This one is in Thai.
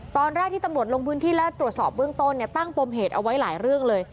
ตอนแรกที่ตำรวจลงพื้นที่และตรวจสอบเบื้องต้นเนี่ยตั้งปมเหตุเอาไว้หลายเรื่องเลย